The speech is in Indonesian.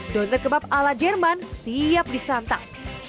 dontor kebab ala jerman siap disantap